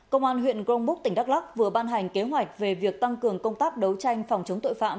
công an huyện grongbuk tỉnh đắk lắc vừa ban hành kế hoạch về việc tăng cường công tác đấu tranh phòng chống tội phạm